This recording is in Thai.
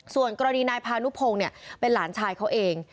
ส่วนกรณีนายพานุพงศ์เป็นหลานชายเขาเอง